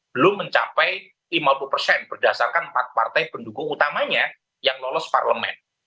belum mencapai lima puluh persen berdasarkan empat partai pendukung utamanya yang lolos parlemen